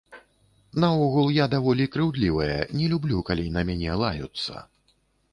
Наогул, я даволі крыўдлівая, не люблю, калі на мяне лаюцца.